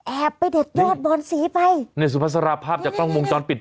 ไปเด็ดยอดบอนสีไปเนี่ยสุภาษาราภาพจากกล้องวงจรปิด